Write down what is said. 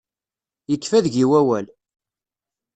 Yekfa deg-i wawal.